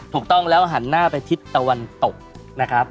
ถูกต้องแล้วหันหน้าไปทิศตะวันตกนะครับ